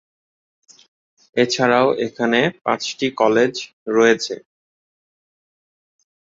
এছাড়াও এখানে পাঁচটি কলেজ রয়েছে।